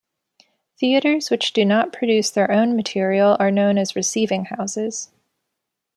Theaters which do not produce their own material are known as receiving houses.